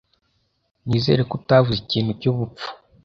Nizere ko utavuze ikintu cyubupfu.